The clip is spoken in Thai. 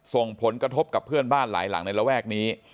ส่งผลกระทบกับเพื่อนบ้านหลายหลังในระแวกนี้